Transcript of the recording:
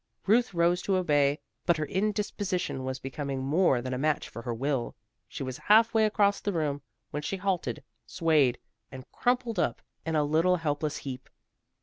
Ruth rose to obey. But her indisposition was becoming more than a match for her will. She was half way across the room, when she halted, swayed, and crumpled up in a little helpless heap.